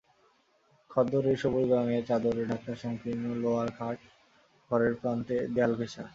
খদ্দরের সবুজ রঙের চাদরে ঢাকা সংকীর্ণ লোহার খাট ঘরের প্রান্তে দেয়াল-ঘেঁষা।